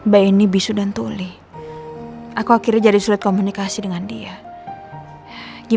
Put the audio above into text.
bikin kalau digelodongin lagi